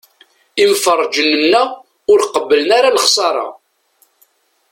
Imferrǧen-nneɣ ur qebblen ara lexṣara.